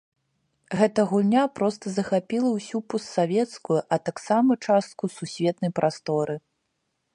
Гэта гульня проста захапіла ўсю постсавецкую, а таксама частку сусветнай прасторы.